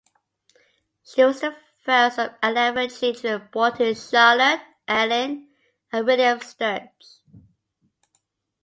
She was the first of eleven children born to Charlotte Allen and William Sturge.